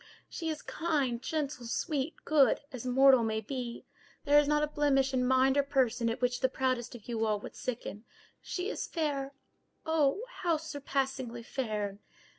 She is kind, gentle, sweet, good, as mortal may be. There is not a blemish in mind or person at which the proudest of you all would sicken. She is fair—oh! how surpassingly fair!"